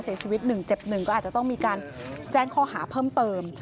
เสียชีวิต๑เจ็บ๑ก็อาจจะต้องมีการแจ้งข้อหาเพิ่มเติม